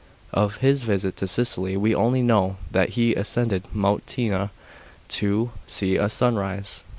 Of his visit to Sicily we only know that he ascended Mount ^tna to see a sunrise.